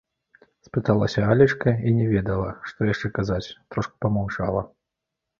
— спыталася Алечка і не ведала, што яшчэ казаць, трошку памаўчала.